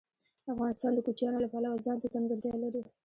افغانستان د کوچیانو له پلوه ځانته ځانګړتیا لري.